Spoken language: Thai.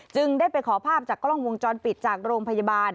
จึงได้ไปขอภาพจากกล้องวงจรปิดจากโรงพยาบาล